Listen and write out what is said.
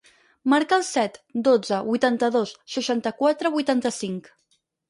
Marca el set, dotze, vuitanta-dos, seixanta-quatre, vuitanta-cinc.